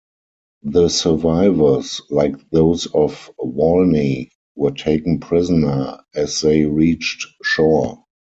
The survivors, like those of "Walney", were taken prisoner as they reached shore.